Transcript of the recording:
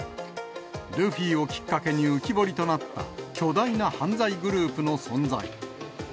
ルフィをきっかけに浮き彫りとなった、巨大な犯罪グループの存在。